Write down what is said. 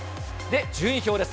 順位表です。